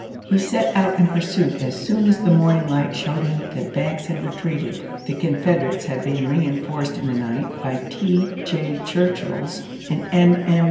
He set out in pursuit, as soon as the morning light showed him that Banks had re treated. The Confederates had been reeuforced in the night by T. J. Churchill's and M. M.